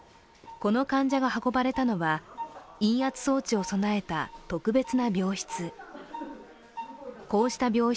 この患者が運ばれたのは陰圧装置を備えた特別な病室。